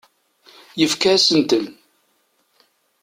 Yefka-asen-ten.